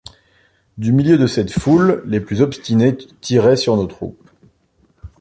Du milieu de cette foule les plus obstinés tiraient sur nos troupes.